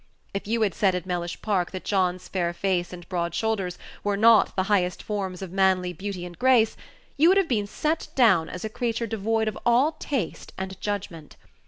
If you had said at Mellish Park that John's fair face and broad shoulders were not the highest forms of manly beauty and grace, you would have been set down as a creature devoid of all taste and judgment.